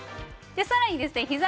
さらにですね